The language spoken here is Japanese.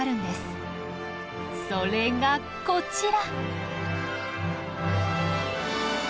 それがこちら！